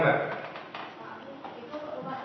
apakah juga sudah memasuki